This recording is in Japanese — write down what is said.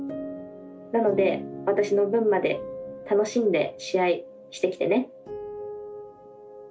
なので私の分まで楽しんで試合してきてね。